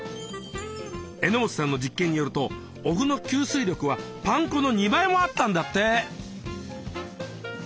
榎本さんの実験によるとお麩の吸水力はパン粉の２倍もあったんだって！